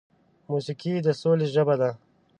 موسیقي د سولې ژبه ده.